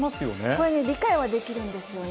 これね、理解はできるんですよね。